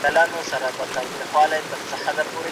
د هرات په تاريخ کې ابدالیان يو لوی باب دی.